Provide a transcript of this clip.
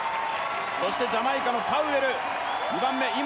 そしてジャマイカのパウエル２番目今